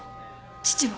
父は？